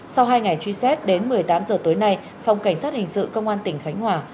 sau hai ngày truy xét đến một mươi tám h tối nay phòng cảnh sát hình sự công an tỉnh khánh hòa